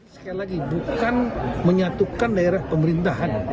sekali lagi bukan menyatukan daerah pemerintahan